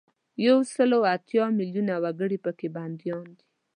یو سل او اتیا میلونه وګړي په کې بندیان دي.